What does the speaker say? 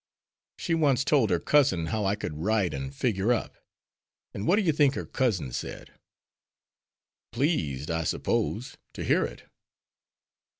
She once told her cousin how I could write and figure up. And what do you think her cousin said?" "'Pleased,' I suppose, 'to hear it.'"